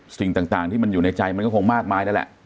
สิ่งต่างที่มันอยู่ในใจมันก็คงมากมายนั่นแหละ